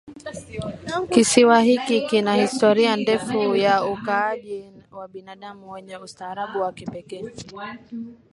Kisiwa hiki kina historia ndefu ya ukaaji wa binadamu wenye ustaarabu wa kipekee